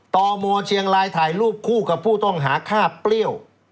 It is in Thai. ตมเชียงรายถ่ายรูปคู่กับผู้ต้องหาฆ่าเปรี้ยว